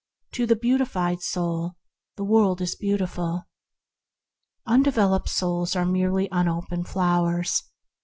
To the beautiful soul the world is beautiful. Undeveloped souls are merely unoped flowers.